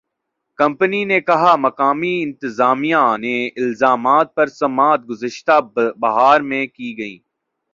company نے کہا مقامی انتظامیہ نے الزامات پر سماعتیں گذشتہ بہار میں کی تھیں